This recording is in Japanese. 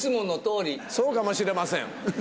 そうかもしれません。